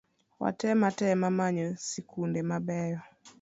Watem atema manyo sikunde mabeyo